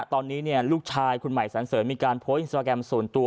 ตอนนี้ลูกชายคุณใหม่สันเสริมมีการโพสต์อินสตราแกรมส่วนตัว